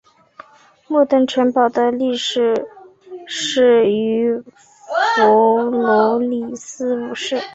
木登城堡的历史始于弗罗里斯五世。